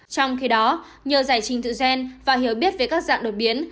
trong khi đó nhờ giải trình tự gen và hiểu biết về các dạng đột biến